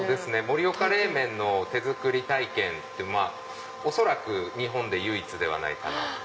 盛岡冷麺の手作り体験って恐らく日本で唯一ではないかなと。